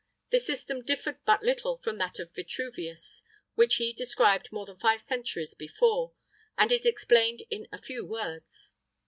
[III 40] This system differed but little from that of Vitruvius, which he described more than five centuries before, and is explained in a few words.